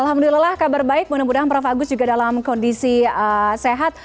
alhamdulillah kabar baik mudah mudahan prof agus juga dalam kondisi sehat